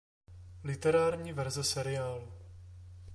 Literární verze seriálu.